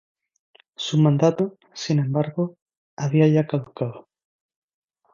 Su mandato, sin embargo, había ya caducado.